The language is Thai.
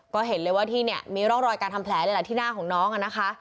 ก็เห็นเลยว่าที่เนี่ยมีร่องรอยการทำแผลเลยแหละที่หน้าของน้องอะนะคะ